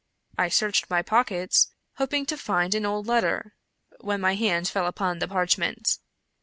I searched my pockets, hoping to find an old letter, when my hand fell upon the parchment.